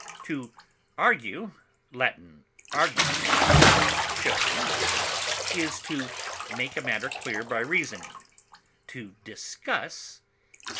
To argue (L. arguo, show) is to make a matter clear by reasoning; to discuss (L.